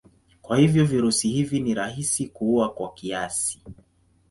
Kwa hivyo virusi hivi ni rahisi kuua kwa kiasi.